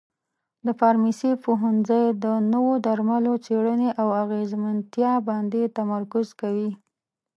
د فارمسي پوهنځی د نوو درملو څېړنې او اغیزمنتیا باندې تمرکز کوي.